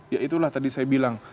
ya itulah tadi saya bilang